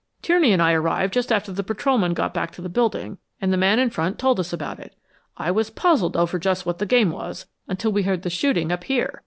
"Tierney and I arrived just after the patrolmen got back to the building, and the man in front told us about it. I was puzzled over just what the game was until we heard the shooting up here.